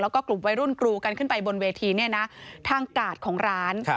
แล้วก็กลุ่มวัยรุ่นกรูกันขึ้นไปบนเวทีเนี่ยนะทางกาดของร้าน